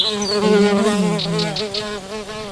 Әйләнәм мин һиңә!